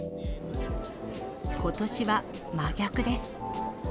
ことしは真逆です。